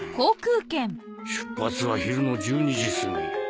出発は昼の１２時過ぎ。